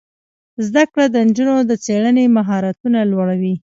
زده کړه د نجونو د څیړنې مهارتونه لوړوي.